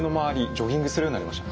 ジョギングするようになりました。